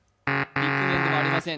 ビッグ・ベンではありません。